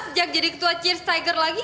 sejak jadi ketua cheers tiger lagi